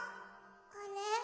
あれ？